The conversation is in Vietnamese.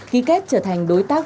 ký kết trở thành đối tác